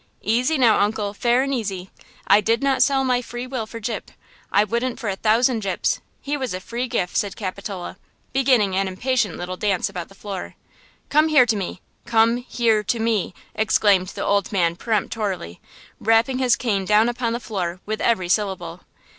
"Easy now, uncle–fair and easy. I did not sell my free will for Gyp! I wouldn't for a thousand Gyps! He was a free gift," said Capitola, beginning an impatient little dance about the floor. "Come here to me; come–here–to–me!" exclaimed the old man peremptorily, rapping his cane down upon the floor with every syllable.